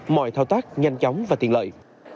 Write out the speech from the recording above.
mọi thao tác nhanh chóng và tiện lợi